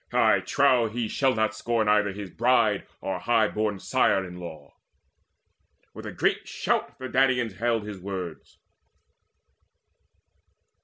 I trow he shall not scorn Either his bride or high born sire in law." With a great shout the Danaans hailed his words.